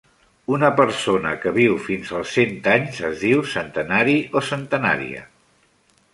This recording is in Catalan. Una persona que viu fins als cent anys es diu centenari o centenària.